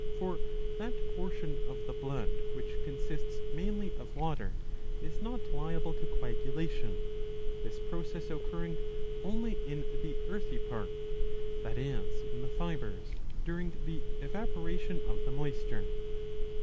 ^ For that portion of the blood which consists mainly of water is not liable to coagulation, this process occurring only in the earthy part, that is in the fibres, during the evaporation of the moisture.